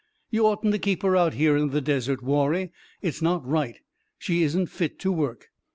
You oughtn't to keep her out here in the desert, Warrie. It's not right. She isn't fit to work